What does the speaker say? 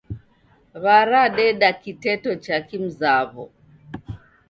W'aradeda kiteto cha kimzaw'o.